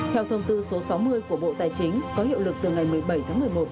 theo thông tư số sáu mươi của bộ tài chính có hiệu lực từ ngày một mươi bảy tháng một mươi một